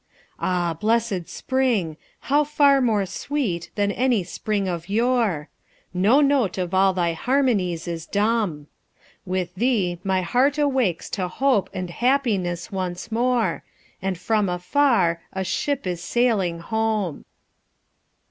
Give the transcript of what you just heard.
Ah, blessed spring!—how far more sweet than any spring of yore! No note of all thy harmonies is dumb; With thee my heart awakes to hope and happiness once more, And from afar a ship is sailing home!